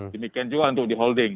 demikian juga untuk diholding